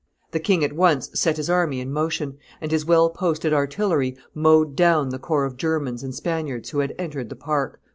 The king at once set his army in motion; and his well posted artillery mowed down the corps of Germans and Spaniards who had entered the park.